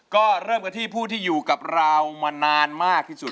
ก็เริ่มกันที่ผู้ที่อยู่กับเรามานานมากที่สุด